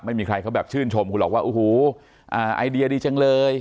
ไม่มีใครเขาแบบชื่นชมคุณหรอกว่าโอ้โหไอเดียดีจังเลย